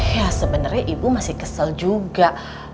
ya sebenarnya ibu masih kesel juga